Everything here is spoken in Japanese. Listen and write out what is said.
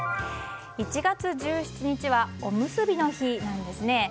１月１７日はおむすびの日なんです。